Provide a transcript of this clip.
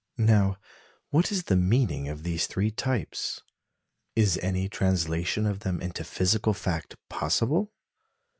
Now what is the meaning of these three types? Is any translation of them into physical fact possible?